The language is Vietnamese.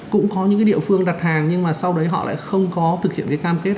cũng có những cái địa phương đặt hàng nhưng mà sau đấy họ lại không có thực hiện cái cam kết